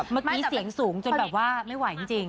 เมื่อกี้เสียงสูงจนแบบว่าไม่ไหวจริง